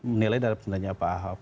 menilai dari penduduknya pak ahok